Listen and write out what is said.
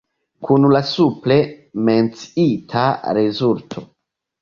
Kun la supre menciita rezulto.